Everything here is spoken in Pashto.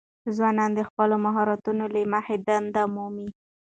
ځوانان د خپلو مهارتونو له مخې دندې مومي.